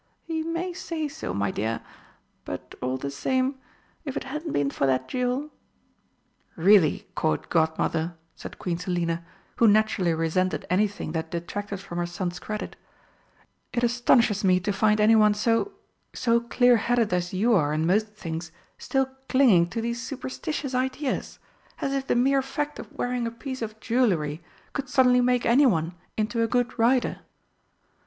"He may say so, my dear but, all the same, if it hadn't been for that jewel " "Really, Court Godmother," said Queen Selina, who naturally resented anything that detracted from her son's credit, "it astonishes me to find anyone so so clear headed as you are in most things still clinging to these superstitious ideas. As if the mere fact of wearing a piece of jewellery could suddenly make anyone into a good rider!"